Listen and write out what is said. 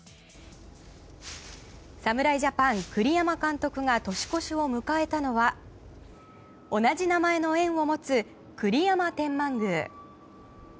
侍ジャパン、栗山監督が年越しを迎えたのは同じ名前の縁を持つ栗山天満宮。